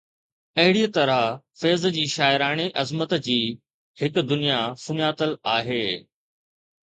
اهڙيءَ طرح فيض جي شاعراڻي عظمت جي هڪ دنيا سڃاتل آهي.